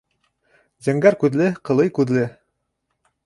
Зәңгәр күҙле, ҡылый күҙле.